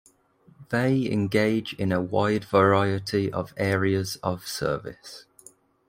They engage in a wide variety of areas of service.